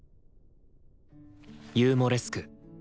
「ユーモレスク」